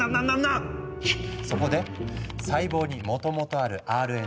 そこで細胞にもともとあるＲＮＡ